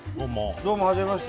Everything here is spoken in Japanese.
どうもはじめまして。